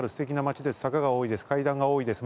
坂がおおいです。